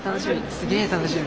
すげえ楽しみ。